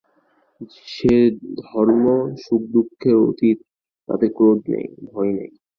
সে ধর্ম সুখদুঃখের অতীত– তাতে ক্রোধ নেই, ভয় নেই।